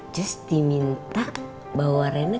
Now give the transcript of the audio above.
just diminta bahwa rena